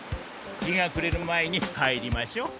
日がくれる前に帰りましょう。